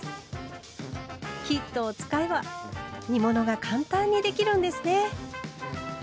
キットを使えば煮物が簡単にできるんですね！